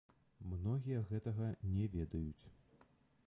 Многія гэтага не ведаюць.